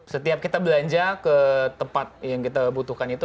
setiap kita belanja ke tempat yang kita butuhkan itu